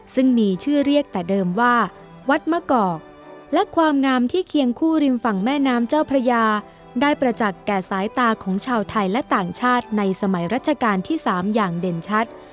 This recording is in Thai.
ซึ่งมีชื่อเรียกแต่เดิมว่าวัดมะกอกและความงามที่เคียงคู่ริมฝั่งแม่น้ำเจ้าพระยาได้ประจักษ์แก่สายตาของชาวไทยและต่างชาติในสมัยรัชกาลที่๓อย่างเด่นชัด